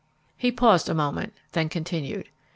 He paused a moment, then continued.